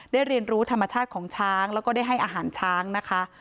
เรียนรู้ธรรมชาติของช้างแล้วก็ได้ให้อาหารช้างนะคะ